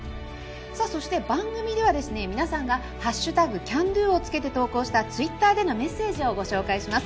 そして、番組では皆さんが「＃ＣＡＮＤＯ」をつけて投稿したツイッターでのメッセージを募集します。